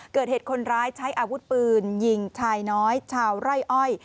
เกิดเหตุคนร้ายใช้อาวุธปืนยิงชายน้อยชาวไร่อ้อย